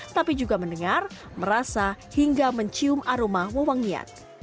tapi juga mendengar merasa hingga mencium aroma wawang niat